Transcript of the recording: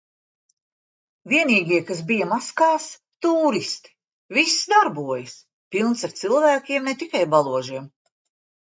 Vienīgie, kas bija maskās – tūristi. Viss darbojas. Pilns ar cilvēkiem, ne tikai baložiem.